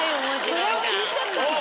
それを聞いちゃったの？